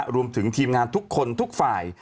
รวมถึงทีมงานทุกคนทุกฝ่าย